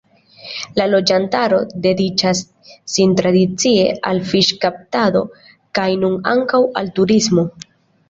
La loĝantaro dediĉas sin tradicie al fiŝkaptado kaj nun ankaŭ al turismo.